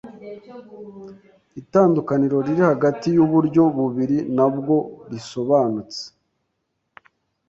Itandukaniro riri hagati yuburyo bubiri ntabwo risobanutse.